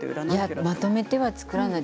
まとめては作らない。